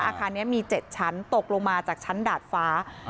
อาคารนี้มี๗ชั้นตกลงมาจากชั้นดาดฟ้า